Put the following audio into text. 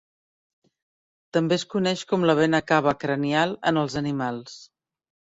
També es coneix com la vena cava cranial en els animals.